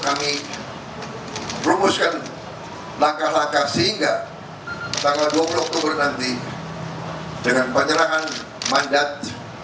kami rumuskan langkah langkah sehingga tanggal dua puluh oktober nanti dengan penyerangan mandat